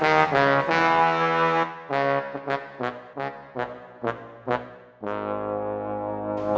sebenarnya budgetnya udah ke